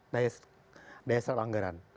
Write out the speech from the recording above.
daya serat anggaran